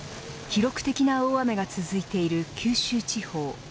記録的な大雨が続いている九州地方。